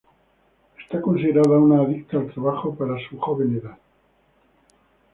Es considerada una adicta al trabajo para su joven edad.